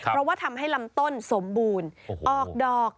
เพราะว่าทำให้ลำต้นสมบูรณ์ออกดอก